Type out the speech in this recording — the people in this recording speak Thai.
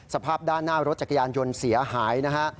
สภาพด้านหน้ารถจักรยานยนต์เสียหายนะฮะ